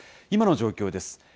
今の状況です。